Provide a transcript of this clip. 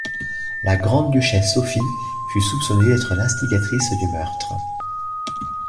La grande-duchesse Sophie fut soupçonnée d'être l'instigatrice du meurtre.